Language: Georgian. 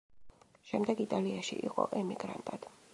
შემდეგ იტალიაში იყო ემიგრანტად.